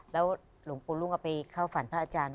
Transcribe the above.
แล้วหลวงปู่รุ่งก็ไปเข้าฝันพระอาจารย์